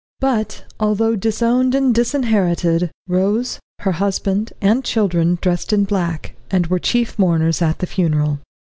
But, although disowned and disinherited, Rose, her husband, and children dressed in black, and were chief mourners at the funeral.